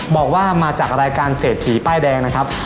บอกว่ามาจากรายการเศรษฐีป้ายแดงนะครับ